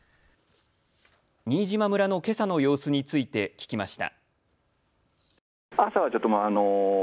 新島村のけさの様子について聞きました。